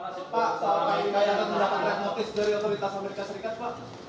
pak pak soal panglima yang akan mendapatkan red notice dari otoritas amerika serikat pak